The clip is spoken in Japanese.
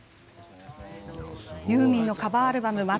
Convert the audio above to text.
ユーミンのカバーアルバム。